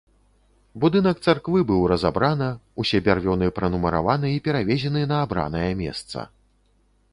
Будынак царквы быў разабрана, усе бярвёны пранумараваны і перавезены на абранае месца.